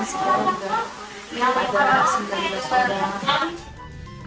ini ada sembilan belas orang